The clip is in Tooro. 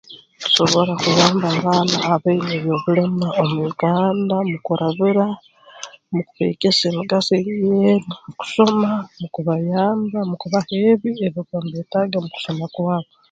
Tusobora kuyamba abaana abaine eby'obulema ha mu Uganda mu kurabira mu kubeegesa emigaso eriyo mu kusoma mu kubayamba mu kuba ebi ebibakuba nibeetaaga mu kusoma kwabo